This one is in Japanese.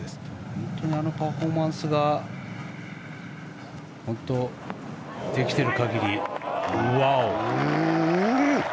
本当にあのパフォーマンスができている限り。